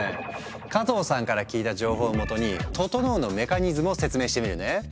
加藤さんから聞いた情報をもとに「ととのう」のメカニズムを説明してみるね。